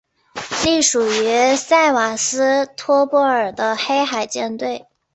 隶属于塞瓦斯托波尔的黑海舰队。